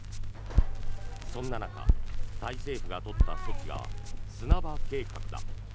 そんな中タイ政府が取った措置が砂場計画だ。